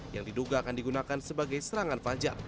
yang diduga akan digunakan sebagai sebuah pembukaan